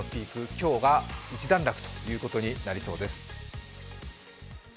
今日が一段落ということになりそうです。